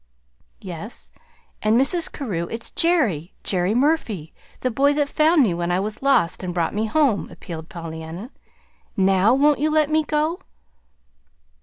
"Yes, and Mrs. Carew, it's Jerry Jerry Murphy, the boy that found me when I was lost, and brought me home," appealed Pollyanna. "NOW won't you let me go?"